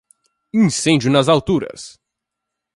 Incêndio nas alturas